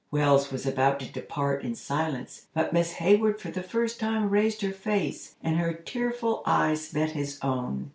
Wells was about to depart in silence, but Miss Hayward for the first time raised her face, and her tearful eyes met his own.